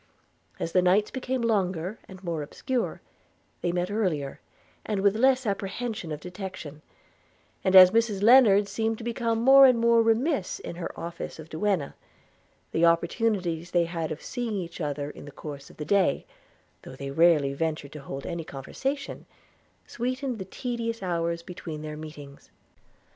As the nights became longer, and more obscure, they met earlier, and with less apprehension of detection; and as Mrs Lennard seemed to become more and more remiss in her office of duenna, the opportunities they had of seeing each other in the course of the day (though they rarely ventured to hold any conversation) sweetened the tedious hours between their meetings.